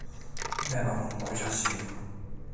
Ben onun kocasıyım.